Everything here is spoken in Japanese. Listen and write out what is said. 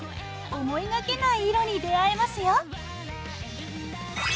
思いがけない色に出会えますよ。